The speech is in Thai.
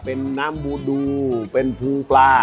เป็นน้ำบูดูเป็นภูปลา